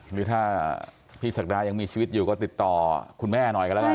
หรือถ้าพี่ศักดายังมีชีวิตอยู่ก็ติดต่อคุณแม่หน่อยกันแล้วกัน